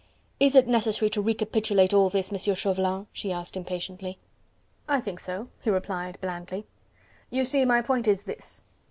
"Is it necessary to recapitulate all this, Monsieur Chauvelin?" she asked impatiently. "I think so," he replied blandly. "You see, my point is this.